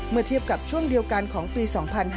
เมื่อเทียบกับช่วงเดียวกันของปี๒๕๕๙